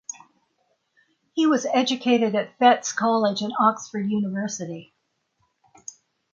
He was educated at Fettes College and Oxford University.